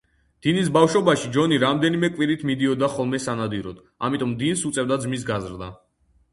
დინის ბავშვობაში ჯონი რამდენიმე კვირით მიდიოდა ხოლმე სანადიროდ, ამიტომ დინს უწევდა ძმის გაზრდა.